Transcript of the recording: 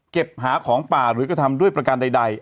หาของป่าหรือกระทำด้วยประการใด